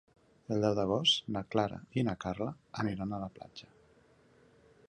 El deu d'agost na Clara i na Carla aniran a la platja.